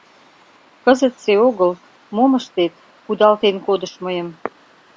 — Кызытсе огыл, мом ыштет, кудалтен кодыш мыйым.